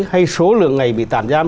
hay số lượng ngày bị tạm giam